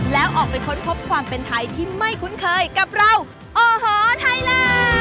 แล้วออกไปค้นพบความเป็นไทยที่ไม่คุ้นเคยกับเราโอ้โหไทยแลนด์